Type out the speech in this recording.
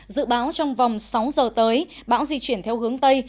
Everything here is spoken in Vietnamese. dự báo trong vòng sáu giờ tới bão di chuyển theo hướng tây